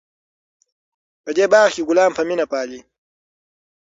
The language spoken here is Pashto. په دې باغ کې ګلان په مینه پالي.